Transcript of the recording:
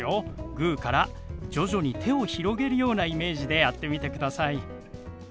グーから徐々に手を広げるようなイメージでやってみてください。